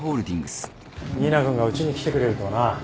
新名君がうちに来てくれるとはな。